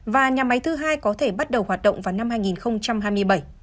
và nhà máy thứ hai có thể bắt đầu hoạt động vào năm hai nghìn hai mươi bảy